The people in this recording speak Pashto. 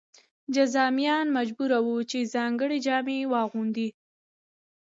جذامیان مجبور وو چې ځانګړې جامې واغوندي.